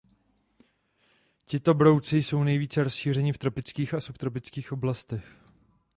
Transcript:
Tito brouci jsou nejvíce rozšířeni v tropických a subtropických oblastech.